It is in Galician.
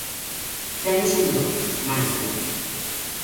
Temos un Bloque, máis Bloque.